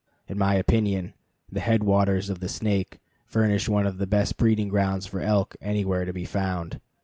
In my opinion, the head waters of the Snake furnish one of the best breeding grounds for elk anywhere to be found.